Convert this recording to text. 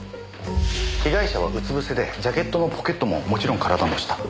被害者はうつぶせでジャケットのポケットももちろん体の下。